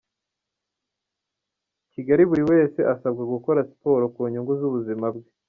Kigali Buri wese asabwa gukora siporo ku nyungu z’ubuzima bwe